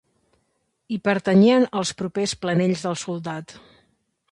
Hi pertanyien els propers Planells del Soldat.